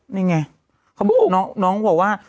นี่ไงเขาบอกน้องบอกว่า